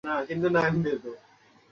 কিছু লোক শুধু সুপারি কুচি খেয়ে নেশা করে।